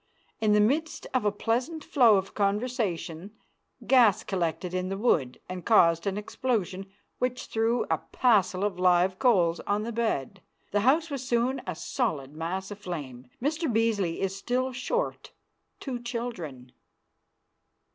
In the midst of a pleasant flow of conversation gas collected in the wood and caused an explosion which threw a passel of live coals on the bed. The house was soon a solid mass of flame. Mr. Beasley is still short two children.